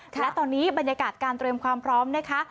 และตอนนี้บรรยากาศการเตรียมความพร้อมนะคะ